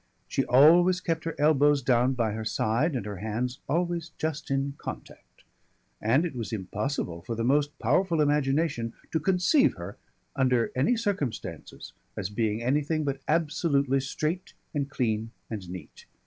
She always kept her elbows down by her side and her hands always just in contact, and it was impossible for the most powerful imagination to conceive her under any circumstances as being anything but absolutely straight and clean and neat.